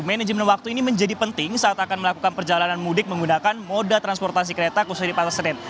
manajemen waktu ini menjadi penting saat akan melakukan perjalanan mudik menggunakan moda transportasi kereta khususnya di pasar senen